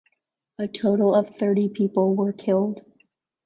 A total of thirty people were killed.